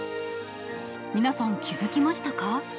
皆さん、気付きましたか？